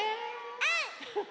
うん！